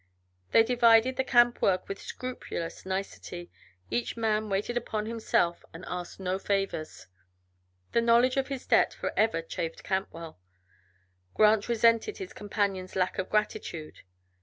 They divided the camp work with scrupulous nicety, each man waited upon himself and asked no favors. The knowledge of his debt forever chafed Cantwell; Grant resented his companion's lack of gratitude.